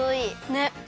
ねっ。